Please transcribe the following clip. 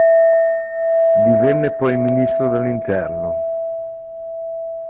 Divenne poi Ministro dell'Interno.